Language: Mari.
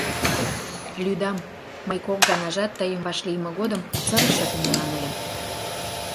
— Лӱдам, мый кок ганажат тыйым вашлийме годым сырыше кумылан ыльым.